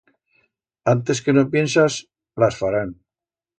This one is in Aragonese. Antes que no piensas las farán.